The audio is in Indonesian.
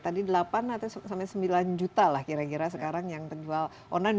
tadi delapan atau sampai sembilan juta lah kira kira sekarang yang terjual online